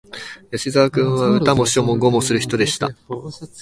吉沢君は、歌も書も碁もする人でした